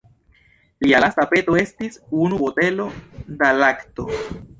Lia lasta peto estis unu botelo da lakto.